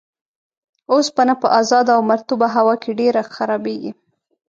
اوسپنه په ازاده او مرطوبه هوا کې ډیر خرابیږي.